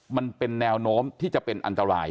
มันเป็นแนวโน้มที่จะเป็นอันตราย